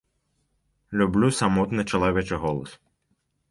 Люблю самотны чалавечы голас.